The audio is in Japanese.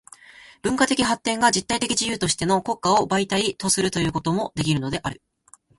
文化的発展が実体的自由としての国家を媒介とするということもできるのである。